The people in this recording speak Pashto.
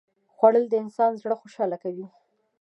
خوړل د انسان زړه خوشاله کوي